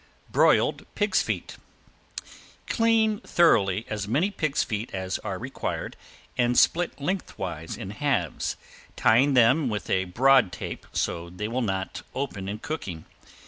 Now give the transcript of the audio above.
~BROILED PIG'S FEET~ Thoroughly clean as many pig's feet as are required, and split lengthwise in halves, tying them with a broad tape so they will not open in cooking.